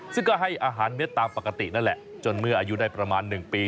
ซึ่งก็ให้อาหารเม็ดตามปกตินั่นแหละจนเมื่ออายุได้ประมาณ๑ปี